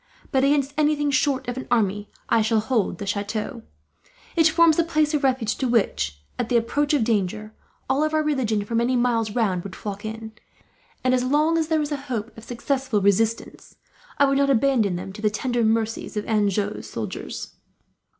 "But against anything short of an army, I shall hold the chateau. It forms a place of refuge to which, at the approach of danger, all of our religion for many miles round would flock in; and as long as there is a hope of successful resistance, I would not abandon them to the tender mercies of Anjou's soldiers."